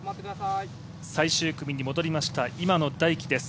最終組に戻りました、今野大喜です。